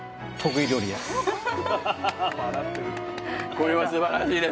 これはすばらしいです